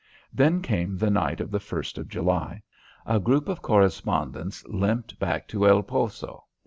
Then came the night of the first of July. A group of correspondents limped back to El Poso.